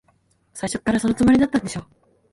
最初っから、そのつもりだったんでしょ。